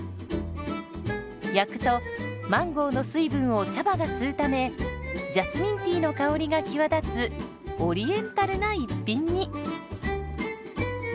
焼くとマンゴーの水分を茶葉が吸うためジャスミンティーの香りが際立つオリエンタルな一品に。